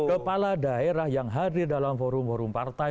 kepala daerah yang hadir dalam forum forum partai